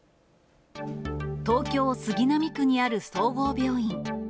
東京・杉並区にある総合病院。